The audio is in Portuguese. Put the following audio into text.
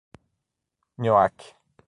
Nioaque